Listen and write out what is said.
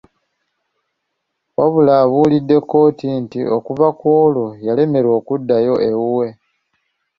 Wabula abuulidde kkooti nti okuva ku olwo yalemererwa okuddayo ewuwe.